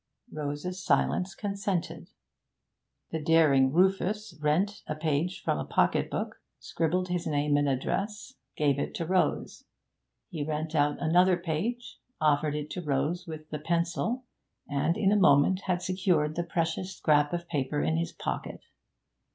Rose's silence consented. The daring Rufus rent a page from a pocket book, scribbled his name and address, gave it to Rose. He rent out another page, offered it to Rose with the pencil, and in a moment had secured the precious scrap of paper in his pocket.